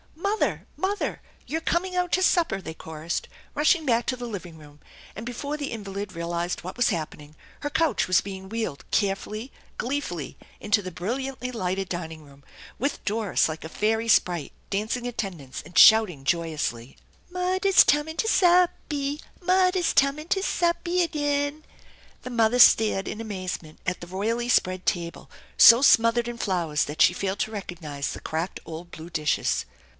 " Mother ! Mother ! You're coming out to supper !" thej chorused, rushing back to the living room; and before the invalid realized what was happening her couch was being wheeled carefully, gleefully into the brilliantly lighted din ing room, with Doris like a fairy sprite dancing attendance, and shouting joyously :" Mudder's tumin' to suppy ! Mudder's tumin' to suppy adin!" The mother gazed in amazement at the royally spread table, so smothered in flowers that she failed to recognize the cracked old blue dishes.